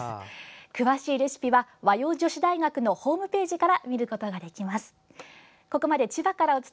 詳しいレシピは和洋女子大学のホームページから見ることができます。